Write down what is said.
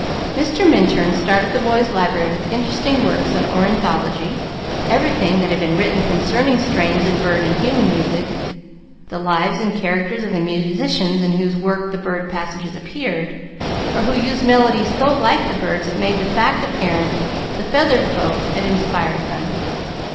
Mr. Minturn started the boys' library with interesting works on ornithology, everything that had been written concerning strains in bird and human music; the lives and characters of the musicians in whose work the bird passages appeared, or who used melodies so like the birds it made the fact apparent the feathered folk had inspired them.